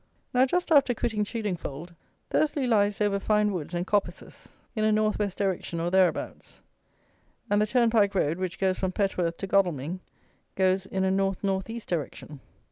Now, just after quitting Chiddingfold, Thursley lies over fine woods and coppices, in a north west direction, or thereabouts; and the Turnpike road, which goes from Petworth to Godalming, goes in a north north east direction.